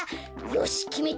よしきめた！